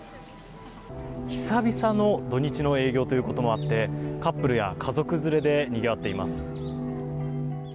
久々の土日の営業ということもあってカップルや家族連れでにぎわっています。